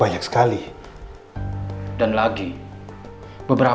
aku tau pol ulang ya